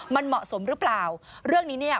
มันเหมาะสมหรือเปล่าเรื่องนี้เนี่ย